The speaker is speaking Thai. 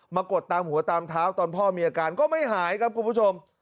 กดตามหัวตามเท้าตอนพ่อมีอาการก็ไม่หายครับคุณผู้ชม